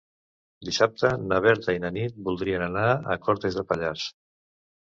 Dissabte na Berta i na Nit voldrien anar a Cortes de Pallars.